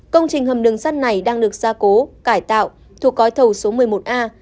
công trình hầm đường sát này đang được ra cố cải tạo thuộc cói thầu số một mươi một a